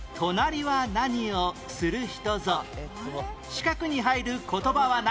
四角に入る言葉は何？